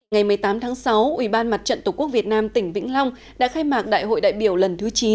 ngày một mươi tám tháng sáu ủy ban mặt trận tổ quốc việt nam tỉnh vĩnh long đã khai mạc đại hội đại biểu lần thứ chín